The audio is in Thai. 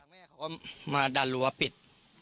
แม่เขาก็มาดันรั้วปิด